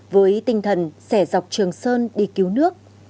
với tinh thần sẻ dọc trường sơn đi cứu nước